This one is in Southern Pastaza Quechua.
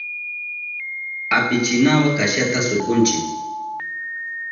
Apichinawa kashata surkunchi.